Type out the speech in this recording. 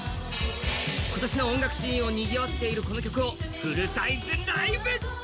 今年の音楽シーンをにぎわせているこの曲をフルサイズライブ！